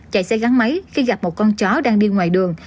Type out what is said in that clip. chạy xe gắn máy khi gặp một con chó đang đi ngoài đường